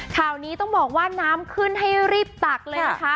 ข่าวนี้ต้องบอกว่าน้ำขึ้นให้รีบตักเลยนะคะ